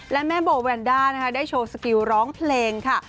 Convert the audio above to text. และแม่โบแวนด้านะคะได้โชว์สกิลร้องเพลงค่ะ